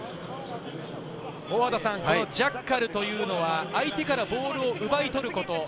ジャッカルというのは相手からボールを奪い取ること。